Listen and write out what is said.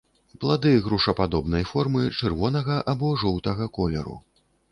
Плады грушападобнай формы, чырвонага або жоўтага колеру.